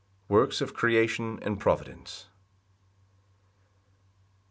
Works of creation and providence.